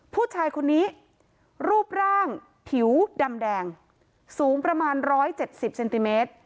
ผู้ชายคนนี้รูปร่างถิวดำแดงสูงประมาณร้อยเจ็ดสิบเซนติเมตร